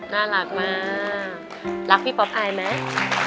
น่ารักมากรักพี่ป๊อปอายไหม